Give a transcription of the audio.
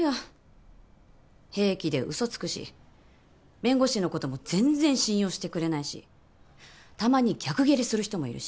平気で嘘つくし弁護士のことも全然信用してくれないしたまに逆ギレする人もいるし。